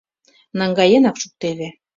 Наҥгаенак шуктеве.